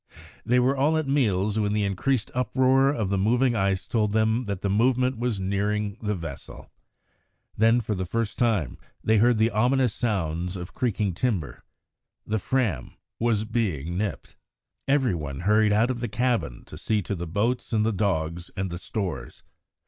They were all at meals when the increased uproar of the moving ice told them that the movement was nearing the vessel. Then, for the first time, they heard the ominous sounds of creaking timber. The Fram was being "nipped." Every one hurried out of the cabin to see to the boats and the dogs and the stores.